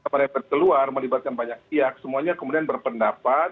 mereka keluar melibatkan banyak pihak semuanya kemudian berpendapat